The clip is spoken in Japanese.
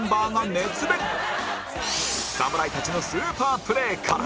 侍たちのスーパープレーから